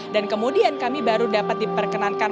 dan kemudian kami baru dapat diperkenalkan